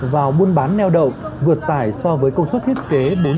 vào buôn bán neo đậu vượt tải so với công suất thiết kế bốn